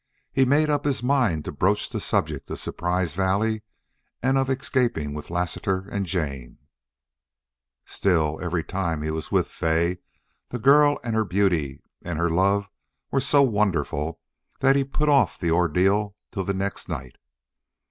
He made up his mind to broach the subject of Surprise Valley and of escaping with Lassiter and Jane; still, every time he was with Fay the girl and her beauty and her love were so wonderful that he put off the ordeal till the next night.